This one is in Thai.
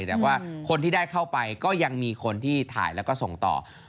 แต่ว่าคนที่ได้เข้าไปก็ยังมีคนที่ถ่ายแล้วก็ส่งต่อ